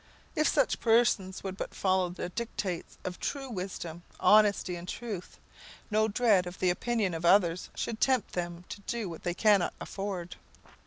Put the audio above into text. If such persons would but follow the dictates of true wisdom, honesty, and truth, no dread of the opinion of others should tempt them to do what they cannot afford.